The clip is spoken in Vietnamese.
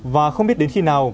và không biết đến khi nào